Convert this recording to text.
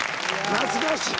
懐かしい。